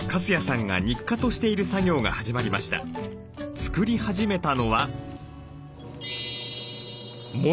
作り始めたのは。